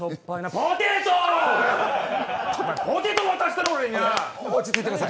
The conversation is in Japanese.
ポテト渡したな、俺に。